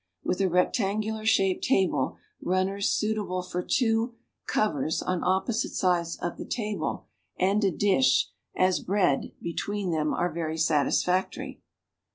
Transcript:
With a rectangular shaped table, "runners," suitable for two "covers" on opposite sides of the table and a dish (as bread) between them, are very satisfactory.